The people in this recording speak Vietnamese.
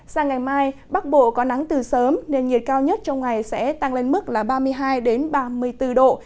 sang ngày mai bắc bộ có nắng từ sớm nền nhiệt cao nhất trong ngày sẽ tăng lên mức là ba mươi hai ba mươi bốn độ